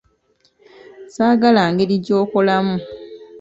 Saagala ngeri gy'okolamu.